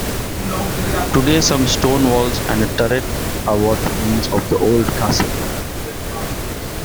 Today some stone walls and a turret are what remains of the old castle.